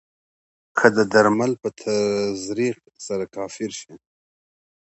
که د درمل په تزریق سره کافر شي.